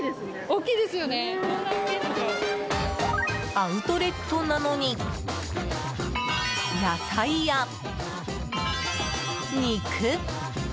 アウトレットなのに野菜や、肉。